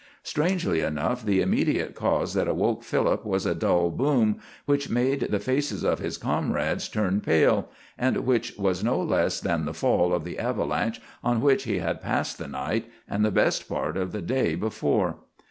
Strangely enough, the immediate cause that awoke Philip was a dull boom which made the faces of his comrades turn pale, and which was no less than the fall of the avalanche on which he had passed the night and the best part of the day before.